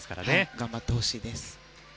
頑張ってほしいです。